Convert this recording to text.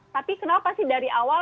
tapi kenapa sih dari awal